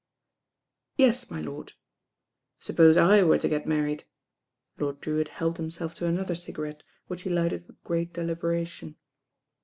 *' "Yes, my lord." "Suppose I were to get married," Lord Drewitt helped himself to another cigarette, which he lighted with great deliberation.